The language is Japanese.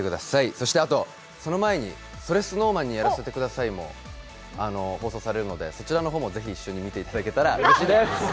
そしてその前に「それＳｎｏｗＭａｎにやらせて下さい」も放送されるのでそちらもぜひ一緒に見ていただけたらうれしいです。